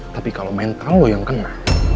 tapi kalau mental lo yang kena